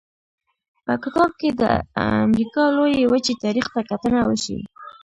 په کتاب کې به د امریکا لویې وچې تاریخ ته کتنه وشي.